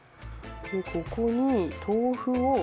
ここに豆腐を。